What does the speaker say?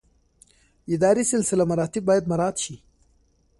اداري سلسله مراتب باید مراعات شي